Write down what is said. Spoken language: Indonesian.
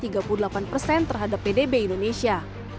sampai hingga search taxt berikencang di indonesia